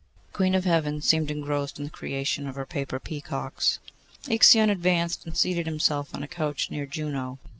The Queen of Heaven seemed engrossed in the creation of her paper peacocks. Ixion advanced and seated himself on a couch near Juno.